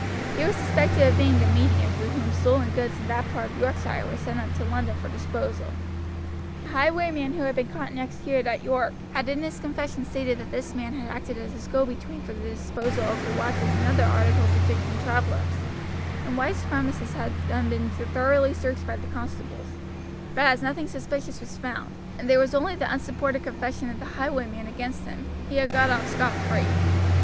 He was suspected of being the medium through whom stolen goods in that part of Yorkshire were sent up to London for disposal. A highwayman who had been caught and executed at York, had in his confession stated that this man had acted as his go between for the disposal of the watches and other articles he took from travelers, and White's premises had then been thoroughly searched by the constables; but as nothing suspicious was found, and there was only the unsupported confession of the highwayman against him, he had got off scot free.